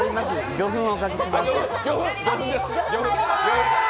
魚粉をおかけします。